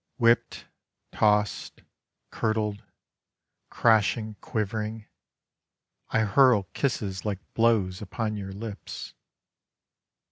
Whipped, tossed, curdled, Crashing, quivering: I hurl kisses like blows upon your lips.